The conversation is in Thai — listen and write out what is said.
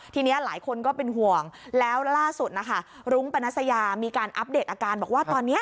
ทีนี้หลายคนก็เป็นห่วงแล้วล่าสุดนะคะรุ้งปนัสยามีการอัปเดตอาการบอกว่าตอนนี้